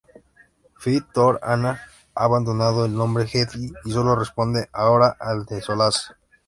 Fy-Tor-Ana ha abandonado el nombre Jedi y solo responde ahora al de Solace.